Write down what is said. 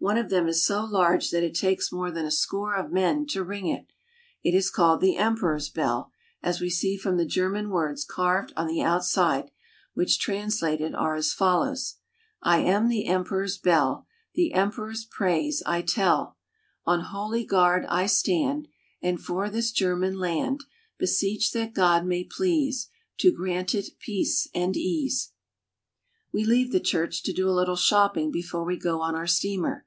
One of them is so large that it takes more than a score of men to ring it. It is called the emperor's bell, as we see from the German words carved on the out side, which translated are as follows :—" I am the emperor's bell, The emperor's praise I tell ; carp. Europe — 15 238 GERMANY. On holy guard I stand, And for this German land, Beseech that God may please To grant it peace and ease." We leave the church, to do a little shopping before we go on our steamer.